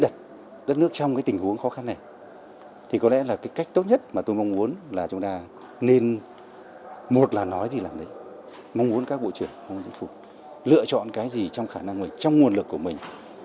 các bộ ngành đã bày tỏ mong muốn các bộ trưởng mong muốn chính phủ lựa chọn cái gì trong khả năng trong nguồn lực của mình